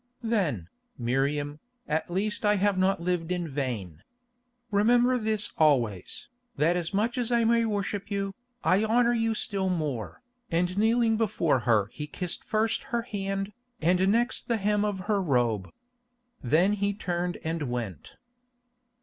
"Then, Miriam, at least I have not lived in vain. Remember this always, that much as I may worship you, I honour you still more," and kneeling before her he kissed first her hand, and next the hem of her robe. Then he turned and went.